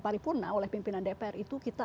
paripurna oleh pimpinan dpr itu kita